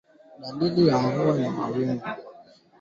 wanajeshi waliwaua wapiganaji kumi na moja jana Jumanne